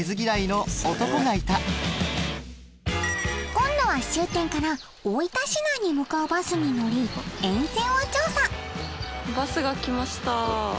今度は終点から大分市内に向かうバスに乗り沿線を調査バスが来ました。